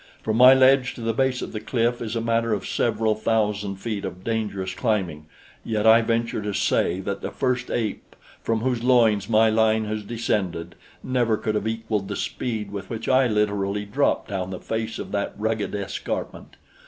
From my ledge to the base of the cliff is a matter of several thousand feet of dangerous climbing; yet I venture to say that the first ape from whose loins my line has descended never could have equaled the speed with which I literally dropped down the face of that rugged escarpment.